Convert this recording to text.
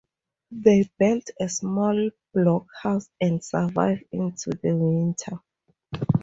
They built a small blockhouse and survived into the winter.